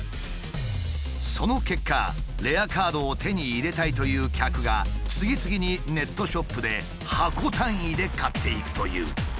その結果レアカードを手に入れたいという客が次々にネットショップで箱単位で買っていくという。